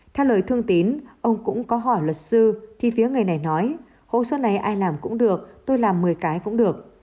theo lời thương tín ông cũng có hỏi luật sư thì phía người này nói hồ sơ này ai làm cũng được tôi làm một mươi cái cũng được